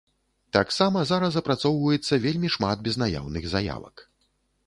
Таксама зараз апрацоўваецца вельмі шмат безнаяўных заявак.